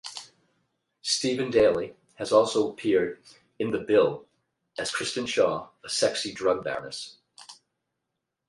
Stephen-Daly has also appeared in "The Bill" as Kristen Shaw, a sexy drug baroness.